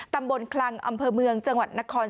ตำบลคลังอำเภอเมืองจังหวัดนคร